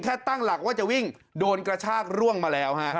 ตั้งหลักว่าจะวิ่งโดนกระชากร่วงมาแล้วฮะ